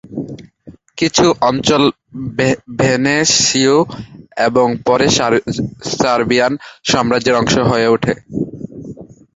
কিছু অঞ্চল ভেনিসীয় এবং পরে সার্বিয়ান সাম্রাজ্যের অংশ হয়ে ওঠে।